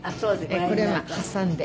これは挟んで。